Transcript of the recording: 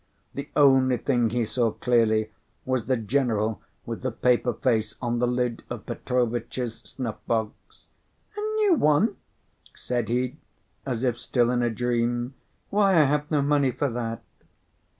The only thing he saw clearly was the general with the paper face on the lid of Petrovitch's snuff box. "A new one?" said he, as if still in a dream: "why, I have no money for that."